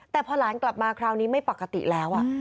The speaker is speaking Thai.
แต่พอหลานกลับมาคราวนี้ไม่ปกติแล้ว